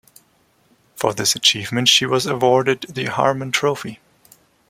For this achievement, she was awarded the Harmon Trophy.